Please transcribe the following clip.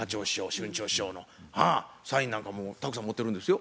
春蝶師匠のサインなんかもたくさん持ってるんですよ。